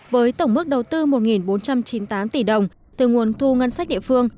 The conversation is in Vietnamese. với tổng mức đầu tư một bốn trăm chín mươi tám tỷ đồng từ nguồn thu ngân sách địa phương